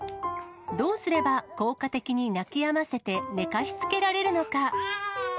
どうすれば効果的に泣きやませて寝かしつけられるのか。